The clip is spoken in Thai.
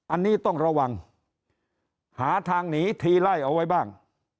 อันนี้ต้องระวังหาทางหนีทีไล่เอาไว้บ้าง